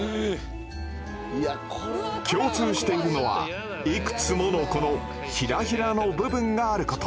共通しているのはいくつものこのヒラヒラの部分があること。